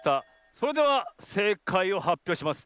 それではせいかいをはっぴょうします。